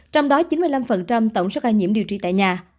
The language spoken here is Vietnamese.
trong đó chín mươi năm tổng số ca nhiễm điều trị tại nhà